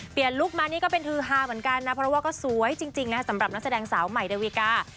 ลุคมานี่ก็เป็นฮือฮาเหมือนกันนะเพราะว่าก็สวยจริงนะสำหรับนักแสดงสาวใหม่ดาวิกา